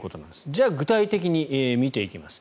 じゃあ、具体的に見ていきます。